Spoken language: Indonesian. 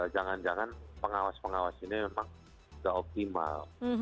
jangan jangan pengawas pengawas ini memang tidak optimal